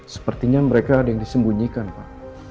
sepertinya mereka ada yang disembunyikan pak